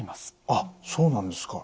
あっそうなんですか。